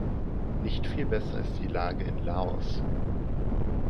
Nicht viel besser ist die Lage in Laos.